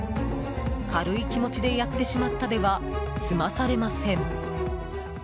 軽い気持ちでやってしまったでは済まされません。